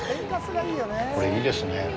これ、いいですね。